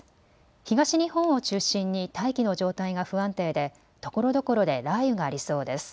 東日本を中心に大気の状態が不安定でところどころで雷雨がありそうです。